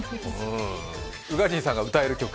宇賀神さんが歌える曲？